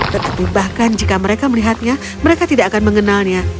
tetapi bahkan jika mereka melihatnya mereka tidak akan mengenalnya